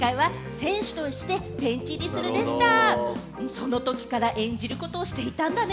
そのときから演じることをしていたんだね！